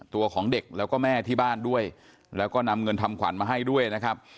ตัวของเด็กแล้วก็แม่ที่บ้านด้วยแล้วก็นำเงินทำขวัญมาให้ด้วยนะครับ